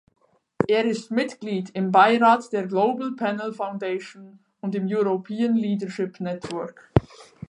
Er ist Mitglied im Beirat der Global Panel Foundation und im European Leadership Network.